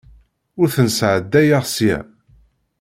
Ur ten-sɛeddayeɣ seg-a.